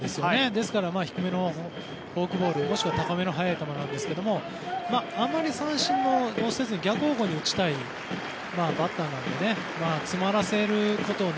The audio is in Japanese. ですから、低めのフォークボールもしくは高めの速い球ですがあまり三振をせずに逆方向に打ちたいバッターなので詰まらせることを